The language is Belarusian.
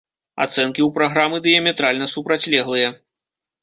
Ацэнкі ў праграмы дыяметральна супрацьлеглыя.